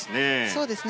そうですね。